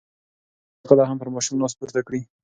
ایا انا به بیا کله هم پر ماشوم لاس پورته کړي؟